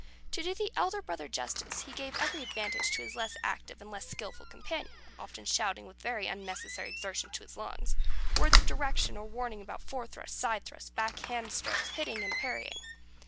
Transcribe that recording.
To do the elder brother justice, he gave every advantage to his less active and less skilful companion; often shouting (with very unnecessary exertion of his lungs) words of direction or warning about fore thrust, side thrust, back hand strokes, hitting, and parrying.